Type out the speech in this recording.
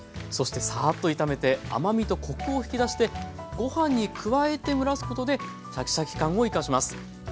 そしてサーッと炒めて甘みとコクを引き出してご飯に加えて蒸らすことでシャキシャキ感をいかします。